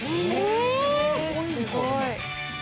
えすごい